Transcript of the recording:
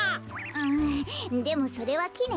んでもそれはきね。